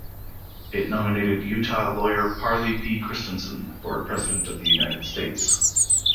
It nominated Utah lawyer Parley P. Christensen for President of the United States.